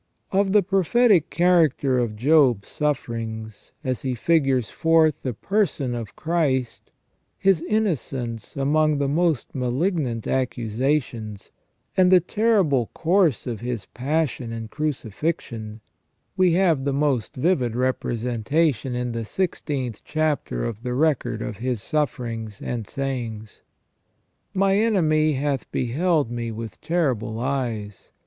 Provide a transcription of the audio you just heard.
Of the prophetic character of Job's sufferings, as he figures forth the person of Christ, His innocence among the most malignant accusations, and the terrible course of His passion and crucifixion, we have the most vivid representation in the sixteenth chapter of the record of his sufferings and sayings. " My enemy hath beheld me with terrible eyes.